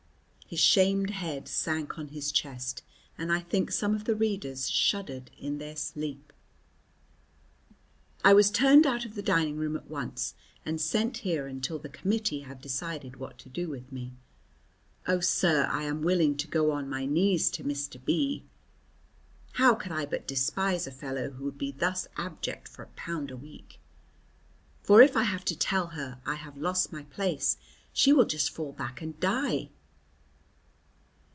His shamed head sank on his chest, and I think some of the readers shuddered in their sleep. "I was turned out of the dining room at once, and sent here until the committee have decided what to do with me. Oh, sir, I am willing to go on my knees to Mr. B " How could I but despise a fellow who would be thus abject for a pound a week? "For if I have to tell her I have lost my place she will just fall back and die."